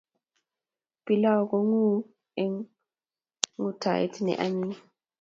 Pilau konguu eng ngutoet ne anyiny